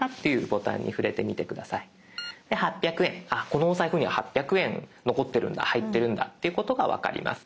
このおサイフには８００円残ってるんだ入ってるんだっていうことが分かります。